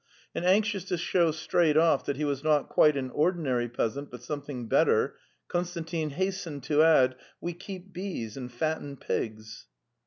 And anxious to show straight off that he was not quite an ordinary peasant, but something better, Kon stantin hastened to add: '"'We keep bees and fatten pigs."